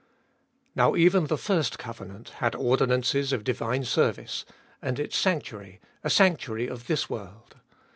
Now even the first covenant had ordinances of divine service, and Its sanctuary, a sanctuary of this world.